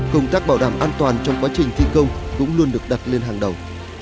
công tác bảo đảm an toàn trong quá trình thi công cũng luôn được đặt lên hàng đầu